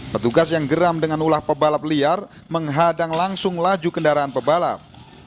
petugas yang geram dengan ulah pebalap liar menghadang langsung laju kendaraan pebalap